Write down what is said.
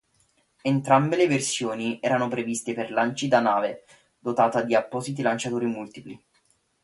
Entrambe le versioni erano previste per lanci da nave dotata di appositi lanciatori multipli.